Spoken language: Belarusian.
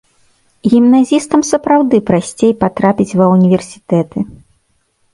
Гімназістам сапраўды прасцей патрапіць ва ўніверсітэты.